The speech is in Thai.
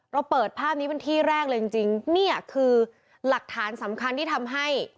เราเปิดภาพนี้เป็นที่แรกเลยจริงจริงเนี่ยคือหลักฐานสำคัญที่ทำให้